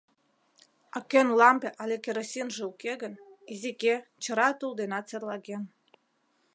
А кӧн лампе але керосинже уке гын, изике, чыра тул денат серлаген.